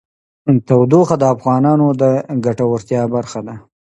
تودوخه د افغانانو د ګټورتیا برخه ده.